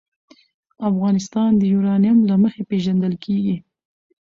افغانستان د یورانیم له مخې پېژندل کېږي.